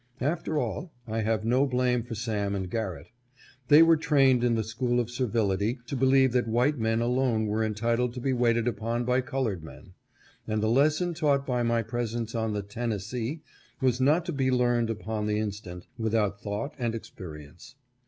After all, I have no blame for Sam and Garrett. They were trained in the school of servility to believe that white men alone were entitled to be waited upon by colored men ; and the lesson taught by my presence on the " Tennessee " was not to be learned upon the instant, without thought and experience.